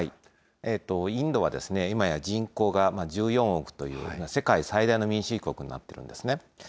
インドはいまや人口が１４億という世界最大の民主国になっているんですね。